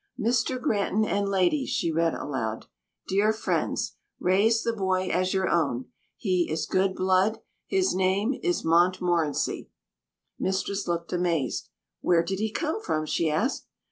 "Mr. Granton and Lady," she read aloud, "Dear Friends, raise the boy as your own he is good blood. His name is Montmorency." Mistress looked amazed. "Where did he come from?" she asked.